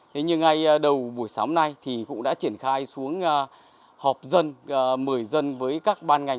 thế nhưng ngay đầu buổi sáng nay thì cũng đã triển khai xuống họp dân mời dân với các ban ngành